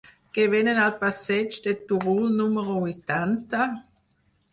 Què venen al passeig de Turull número vuitanta?